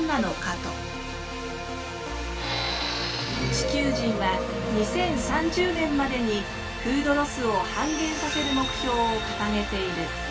地球人は２０３０年までにフードロスを半減させる目標を掲げている。